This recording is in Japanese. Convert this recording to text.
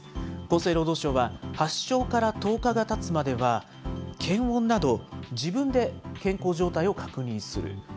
厚生労働省は発症から１０日がたつまでは、検温など自分で健康状態を確認する。